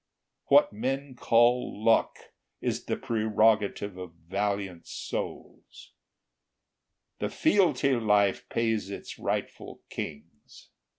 What men call luck Is the prerogative of valiant souls, The fealty life pays its rightful kings.